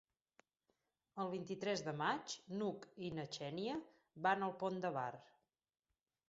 El vint-i-tres de maig n'Hug i na Xènia van al Pont de Bar.